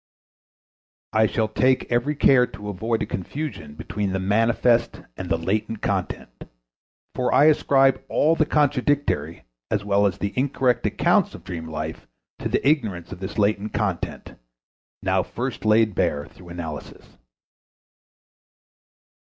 I shall take every care to avoid a confusion between the manifest and the latent content, for I ascribe all the contradictory as well as the incorrect accounts of dream life to the ignorance of this latent content, now first laid bare through analysis.